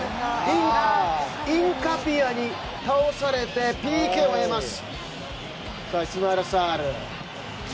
インカピエに倒されてＰＫを得ます。